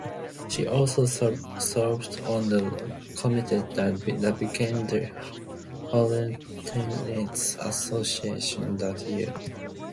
She also served on the committee that became the Harlem Tenants Association that year.